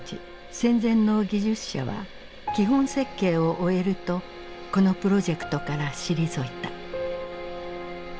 戦前の技術者は基本設計を終えるとこのプロジェクトから退いた。